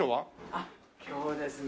あっ今日ですね。